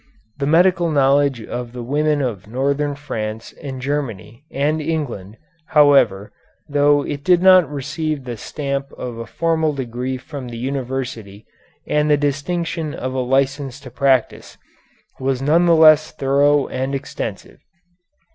The medical knowledge of the women of northern France and Germany and England, however, though it did not receive the stamp of a formal degree from the university and the distinction of a license to practise, was none the less thorough and extensive.